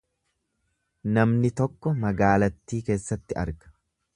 Namni tokko magaalattii keessatti arga.